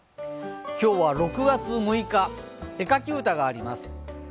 今日は６月６日、絵描き歌があります。